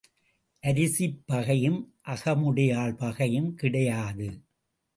அரிசிப் பகையும் அகமுடையாள் பகையும் கிடையாது.